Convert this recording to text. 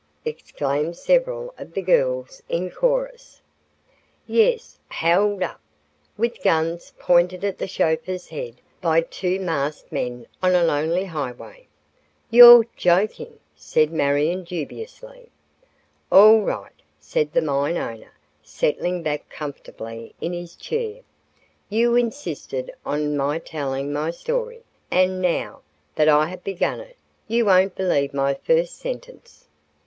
exclaimed several of the girls in chorus. "Yes, held up, with guns pointed at the chauffeur's head by two masked men on a lonely highway." "You're joking," said Marion, dubiously. "All right," said the mine owner, settling back comfortably in his chair. "You insisted on my telling my story, and now that I have begun it, you won't believe my first sentence."